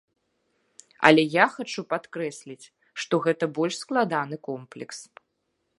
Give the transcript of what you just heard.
Але я хачу падкрэсліць, што гэта больш складаны комплекс.